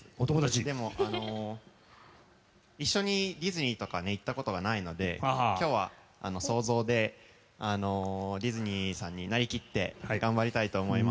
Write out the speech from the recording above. でも、一緒にディズニーとか行ったことがないので今日は想像でディズニーさんになりきって頑張りたいと思います。